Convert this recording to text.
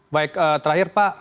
baik terakhir pak